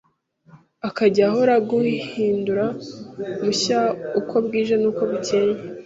akajya ahora aguhindura mushya uko bwije n’uko bucyeye?